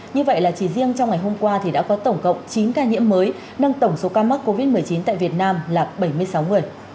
như vậy là chỉ riêng trong ngày hôm qua thì đã có tổng cộng chín ca nhiễm mới nâng tổng số ca mắc covid một mươi chín tại việt nam là bảy mươi sáu người